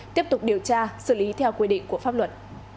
tiếp tục điều tra xử lý theo quy định của pháp luật